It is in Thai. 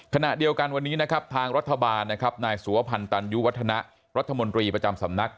ขณะเดียวกันวันนี้นะครับทางรัฐบาลนะครับนายสุวพันธ์ตันยุวัฒนะรัฐมนตรีประจำสำนัก